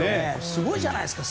すごいじゃないですか。